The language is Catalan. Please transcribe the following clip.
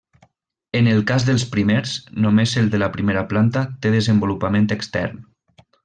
En el cas dels primers, només el de la primera planta té desenvolupament extern.